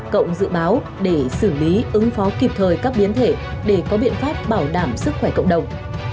cộng dự báo để xử lý ứng phó kịp thời các biến thể để có biện pháp bảo đảm sức khỏe cộng đồng